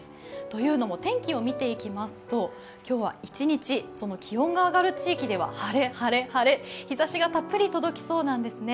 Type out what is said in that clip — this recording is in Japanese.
というのも天気を見ていきますと今日は一日気温が上がる地域では晴れ、晴れ、晴れ日ざしがたっぷり届きそうなんですね。